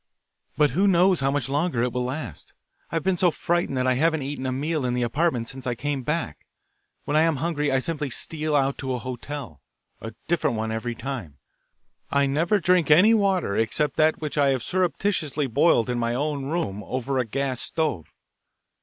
But who knows how much longer it will last? I have been so frightened that I haven't eaten a meal in the apartment since I came back. When I am hungry I simply steal out to a hotel a different one every time. I never drink any water except that which I have surreptitiously boiled in my own room over a gas stove.